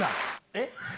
えっ？